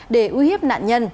để ưu hiếp nạn nhân